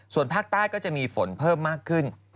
ส่วนภาคใต้ก็จะมีฝนเพิ่มมากขึ้น